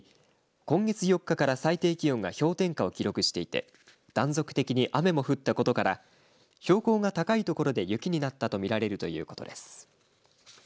今月４日から最低気温が氷点下を記録していて断続的に雨も降ったことから標高が高い所で雪になったとみられるということです。